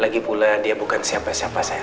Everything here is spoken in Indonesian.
lagi pula dia bukan siapa siapa saya